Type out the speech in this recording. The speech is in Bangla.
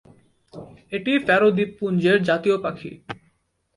এটি ফ্যারো দ্বীপপুঞ্জের জাতীয় পাখি।